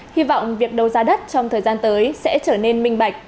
hy vọng việc đấu giá đất trong thời gian tới sẽ trở nên minh bạch